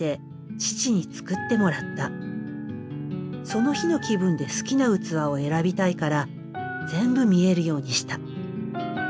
その日の気分で好きな器を選びたいから全部見えるようにした。